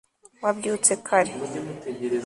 wabyutse kare